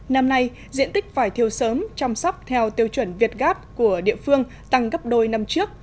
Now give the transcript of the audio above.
năm nay diện tích vải thiều sớm chăm sóc theo tiêu chuẩn việt gáp của địa phương tăng gấp đôi năm trước